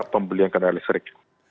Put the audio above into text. pembelian kendaraan listrik